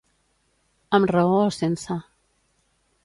Amb raó o sense.